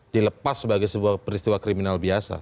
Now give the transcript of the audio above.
dilepas sebagai sebuah peristiwa kriminal biasa